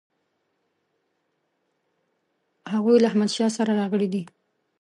هغوی له احمدشاه سره راغلي دي.